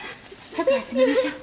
ちょっと休みましょう。